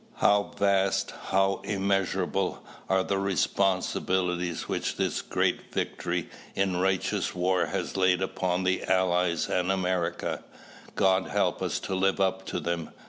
How vast, how immeasurable, are the responsibilities which this great victory in righteous war has laid upon the Allies and America. God help us to live up to them.